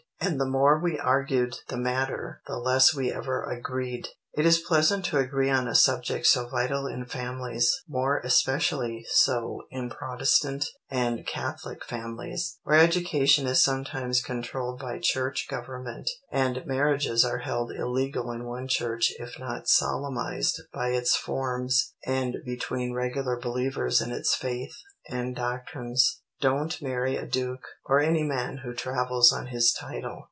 And the more we argued the matter, the less we ever agreed." It is pleasant to agree on a subject so vital in families, more especially so in Protestant and Catholic families, where education is sometimes controlled by church government, and marriages are held illegal in one church if not solemnized by its forms and between regular believers in its faith and doctrines. Don't marry a duke, or any man who travels on his title.